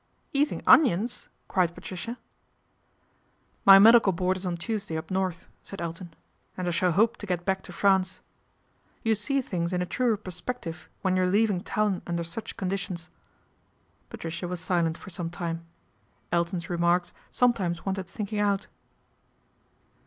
" Eating onions !" cried Patricia. " My medical board is on Tuesday up North," said Elton, " and I shall hope to get back to France. You see things in a truer perspective when you're leaving town under such conditions." Patricia was silent for some time. Elton's remarks sometimes wanted thinking out.